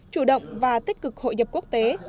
chủ động và tích cực hội nhập quốc tế